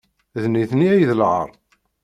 D nitni ay d lɛaṛ.